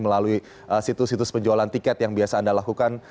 melalui situs situs penjualan tiket yang biasa anda lakukan